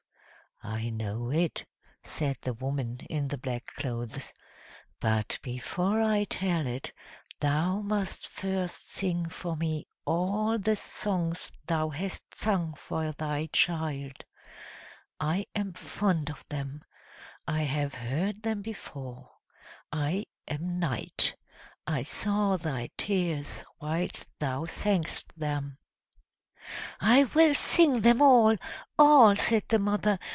"I know it!" said the woman in the black clothes. "But before I tell it, thou must first sing for me all the songs thou hast sung for thy child! I am fond of them. I have heard them before; I am Night; I saw thy tears whilst thou sang'st them!" "I will sing them all, all!" said the mother.